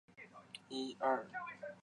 陕西乡试第六十一名。